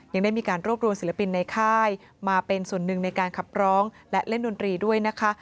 ยังได้มีการรวบรวมศิลปินในค่ายมาเป็นส่วนหนึ่งในการขับร้องและเล่นดนตรีด้วยนะคะ